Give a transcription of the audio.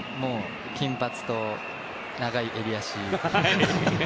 金髪と長い襟足。